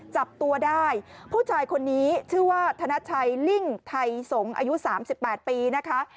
จับตัวได้ผู้ชายคนนี้ชื่อว่าธนชัยลิ่งไทยสงศ์อายุ๓๘ปีนะคะ